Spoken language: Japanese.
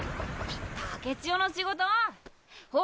竹千代の仕事ォ？